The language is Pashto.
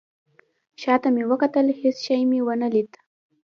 شاته مې وکتل. هیڅ شی مې ونه لید